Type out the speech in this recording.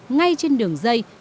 ngay trên đường dây